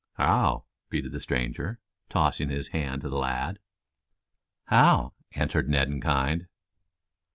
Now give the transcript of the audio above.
"How," greeted the stranger, tossing his hand to the lad. "How," answered Ned in kind.